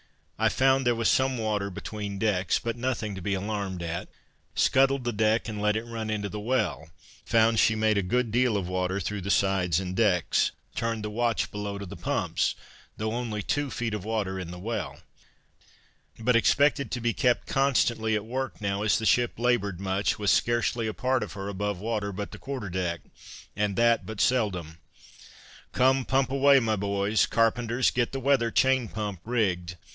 I found there was some water between decks, but nothing to be alarmed at; scuttled the deck, and let it run into the well found she made a good deal of water through the sides and decks; turned the watch below to the pumps, though only two feet of water in the well; but expected to be kept constantly at work now, as the ship labored much, with scarcely a part of her above water but the quarter deck, and that but seldom "Come, pump away, my boys. Carpenters, get the weather chain pump rigged."